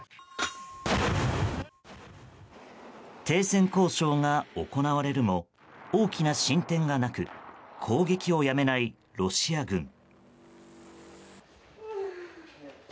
停戦交渉が行われるも大きな進展がなく攻撃をやめないロシア軍。